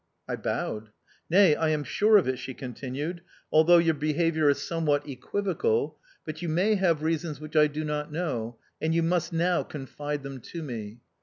I bowed. "Nay, I am sure of it," she continued, "although your behaviour is somewhat equivocal, but you may have reasons which I do not know; and you must now confide them to me.